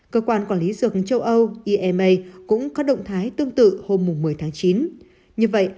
cơ quan quản lý dược châu âu ima cũng có động thái tương tự hôm một mươi tháng chín như vậy